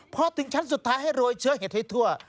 พอถึงชั้นสุดท้ายให้โรยเชื้อเห็ดให้ทั่ว